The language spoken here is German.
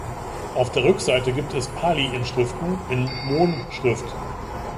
Auf der Rückseite gibt es Pali-Inschriften in Mon-Schrift.